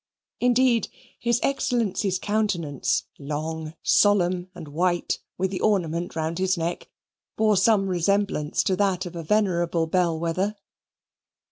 Indeed, his Excellency's countenance, long, solemn, and white, with the ornament round his neck, bore some resemblance to that of a venerable bell wether.